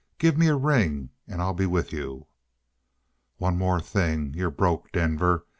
Gimme a ring and I'll be with you." "One more thing. You're broke, Denver.